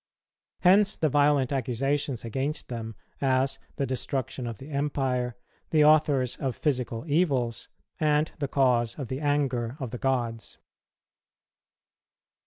Hence the violent accusations against them as the destruction of the Empire, the authors of physical evils, and the cause of the anger of the gods.